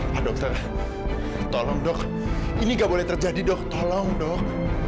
nah dokter tolong dok ini gak boleh terjadi dok tolong dok